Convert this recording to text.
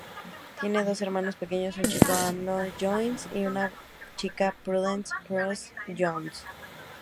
Tiene dos hermanos pequeños, un chico, Anthony Jones, y una chica, Prudence "Prue" Jones.